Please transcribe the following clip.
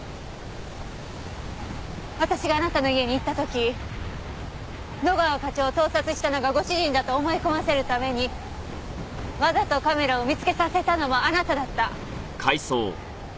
私があなたの家に行った時野川課長を盗撮したのがご主人だと思い込ませるためにわざとカメラを見つけさせたのもあなただった。